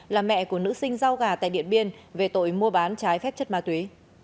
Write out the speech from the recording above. là mẹ của nữ sinh rau gà tại điện biên về tội mua bán trái phép chất ma túy